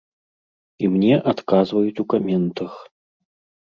І мне адказваюць у каментах.